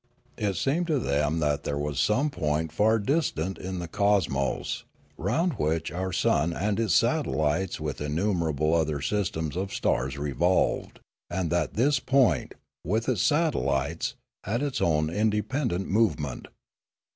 It seemed to them that there was some point far distant in the cos mos, round which our sun and its satellites with in numerable other systems of stars revolved, and that this point, with its satellites, had its own independent movement.